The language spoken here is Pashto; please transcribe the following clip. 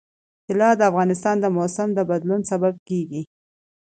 طلا د افغانستان د موسم د بدلون سبب کېږي.